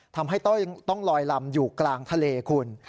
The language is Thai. ทำให้ต้องลอยลำอยู่กลางทะเลคุณ